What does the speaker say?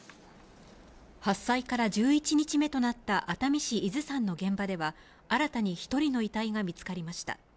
発災から１１日目となった熱海市伊豆山の現場では、新たに１人の遺体が見つかりました。